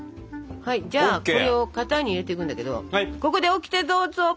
はいじゃあこれを型に入れていくんだけどここでオキテどうぞ！